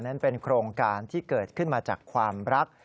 นั้นเป็นโครงการที่เกิดขึ้นมาจากความรัก